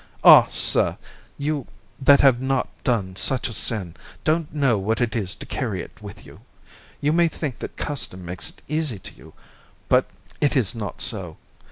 Ah! sir, you that have not done such a sin don't know what it is to carry it with you. You may think that custom makes it easy to you, but it is not so.